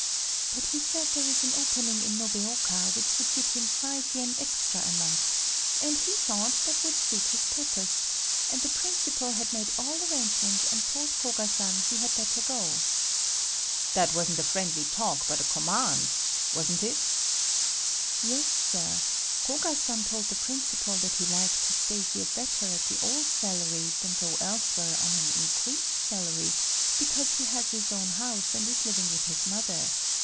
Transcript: But he said there is an opening in Nobeoka which would give him five yen extra a month and he thought that would suit his purpose, and the principal had made all arrangements and told Koga san he had better go……." "That wasn't a friendly talk but a command. Wasn't it?" "Yes, Sir, Koga san told the principal that he liked to stay here better at the old salary than go elsewhere on an increased salary, because he has his own house and is living with his mother.